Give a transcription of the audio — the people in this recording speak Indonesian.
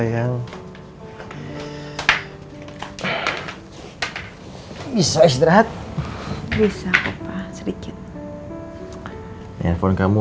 habis ber huruf tiga lagi deh soal panty